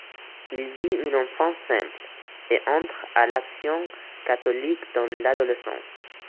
Il vit une enfance simple et entre à l'Action catholique dans l'adolescence.